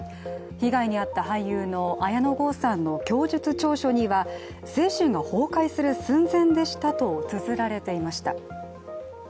被害に遭った俳優の綾野剛さんの供述調書には精神が崩壊する寸前でしたとつづられていました。